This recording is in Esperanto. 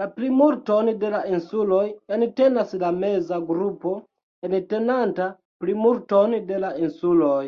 La plimulton de la insuloj entenas la meza grupo, entenanta plimulton de la insuloj.